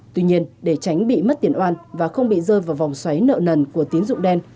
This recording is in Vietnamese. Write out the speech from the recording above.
tuy nhiên để tránh bị mất tiền oan và không bị rơi vào vòng xoáy nợ nần của tín dụng đen